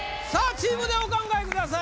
チームでお考えください